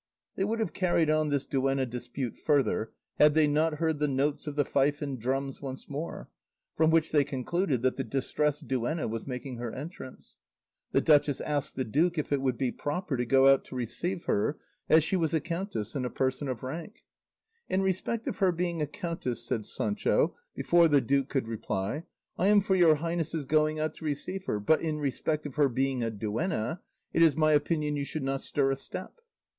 They would have carried on this duenna dispute further had they not heard the notes of the fife and drums once more, from which they concluded that the Distressed Duenna was making her entrance. The duchess asked the duke if it would be proper to go out to receive her, as she was a countess and a person of rank. "In respect of her being a countess," said Sancho, before the duke could reply, "I am for your highnesses going out to receive her; but in respect of her being a duenna, it is my opinion you should not stir a step."